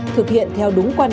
thực hiện theo đúng quá trình